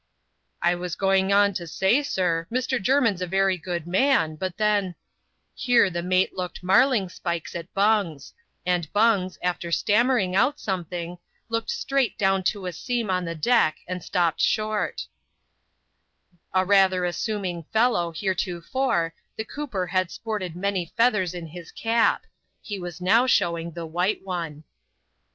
'^ I was going on to say, sir, Mr. Jermin 's a very good man ; ut then —" Here the mate looked marlingspikes at Bungs; id Bungs, after stammering out something, looked straight 3wn to a seam in the deck, and stopped short A rather assuming fellow heretofore, the cooper had sported lany feathers in his cap ; he was now showing the white one.